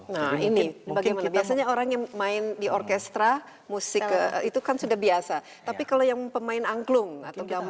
nah ini bagaimana biasanya orang yang main di orkestra musik itu kan sudah biasa tapi kalau yang pemain angklung atau gamer